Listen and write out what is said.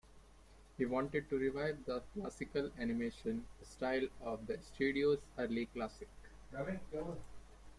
He wanted to revive the classical animation style of the studio's early classics.